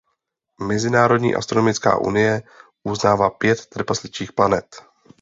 Mezinárodní astronomická unie uznává pět trpasličích planet.